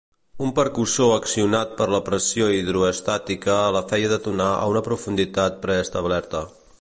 Un percussor accionat per la pressió hidroestàtica la feia detonar a una profunditat preestablerta.